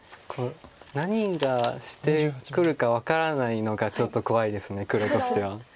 何がしてくるか分からないのがちょっと怖いです黒としては。